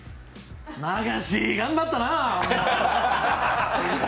永椎、頑張ったな。